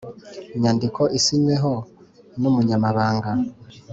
Nyandiko isinyweho n umunyamabanga